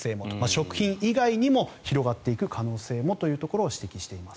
食品以外にも広がっていく可能性もというところを指摘しています。